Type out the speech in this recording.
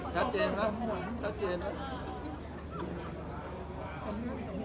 ชัดเจนครับชัดเจนแล้ว